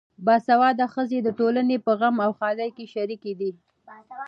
باسواده ښځې د ټولنې په غم او ښادۍ کې شریکې دي.